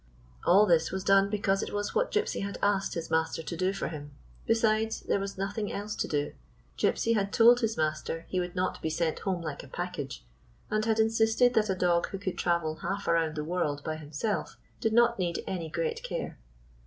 All this was done because it was what Gypsy had asked his master to do for him. Besides, there was nothing else to do. Gypsy had told his master he would not be sent home like a package, and had insisted that a dog who could i74 MUCH IN LITTLE travel half around tlie world by himself did not need any great care.